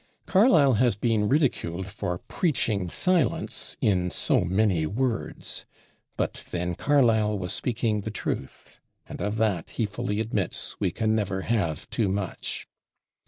Carlyle has been ridiculed for preaching silence in so many words; but then Carlyle was speaking the truth, and of that, he fully admits, we can never have too much.